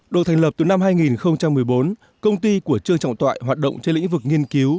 được thành lập từ năm hai nghìn một mươi bốn công ty của trương trọng toại hoạt động trên lĩnh vực nghiên cứu